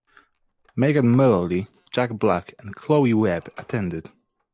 Megan Mullally, Jack Black, and Chloe Webb attended.